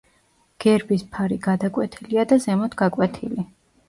გერბის ფარი გადაკვეთილია და ზემოთ გაკვეთილი.